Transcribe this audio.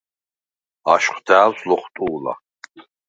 აშხვ და̄̈ვს ლოხვტუ̄ლა: